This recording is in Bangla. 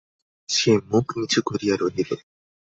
সে মুখ নিচু করিয়া রহিল।